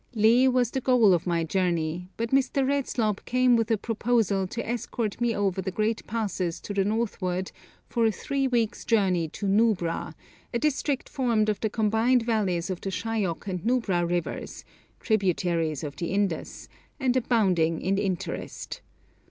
Leh was the goal of my journey, but Mr. Redslob came with a proposal to escort me over the great passes to the northward for a three weeks' journey to Nubra, a district formed of the combined valleys of the Shayok and Nubra rivers, tributaries of the Indus, and abounding in interest.